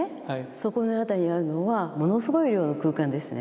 そこの辺りにあるのはものすごい量の空間ですね。